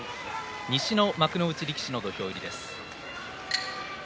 西の幕内力士の土俵入りです。